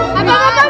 itu aku bawa sobri